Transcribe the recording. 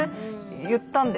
言ったんですよ。